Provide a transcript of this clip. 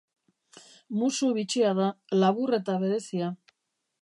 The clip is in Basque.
Musu bitxia da, labur eta berezia.